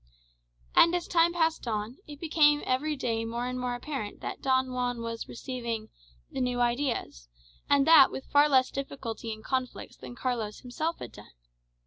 And, as time passed on, it became every day more and more apparent that Don Juan was receiving "the new ideas;" and that with far less difficulty and conflict than Carlos himself had done.